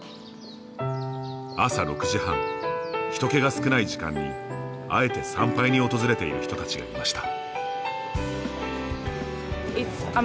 朝６時半、人けが少ない時間にあえて参拝に訪れている人たちがいました。